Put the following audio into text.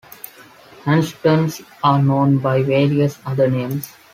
Handstands are known by various other names.